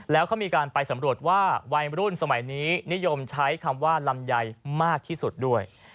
แล้วเขามีการไปสำรวจว่าวัยรุ่นสมัยนี้นิยมใช้คำว่าลำไยมากที่สุดด้วย